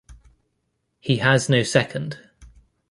He has no second.